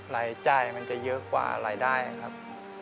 รายจ่ายมันจะเยอะกว่ารายได้ครับ